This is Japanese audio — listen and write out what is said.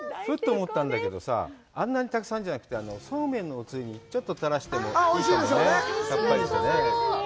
思ったんだけどさ、あんなにたくさんじゃなくて、そうめんのおつゆにちょっと垂らしてもおいしいでしょうね。